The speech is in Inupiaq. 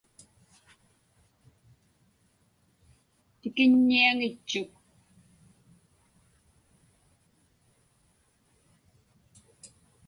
Tikiññiaŋitchuk.